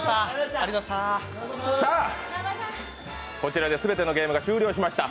こちらですべてのゲームが終了しました。